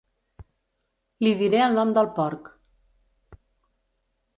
Li diré el nom del porc.